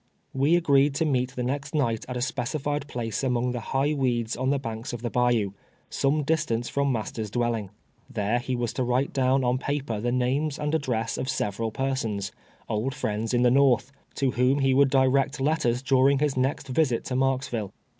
We agreed to meet the next night at a specified place among the high Aveeds on the bank of the bayou, some distance from master's dwelling. There he was to write down on paper the names and address of sev eral persons, old friends in the North, to whom he 2T2 TWELVE TEAKS A SLAVE. ■\voukl direct letters during his next visit to Marks ville.